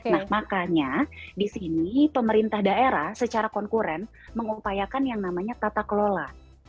nah makanya di sini pemerintah daerah secara konkuren mengupayakan yang namanya tata kelola